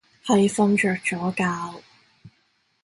係瞓着咗覺